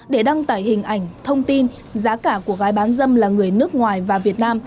để đăng tải hình ảnh thông tin giá cả của gái bán dâm là người nước ngoài và việt nam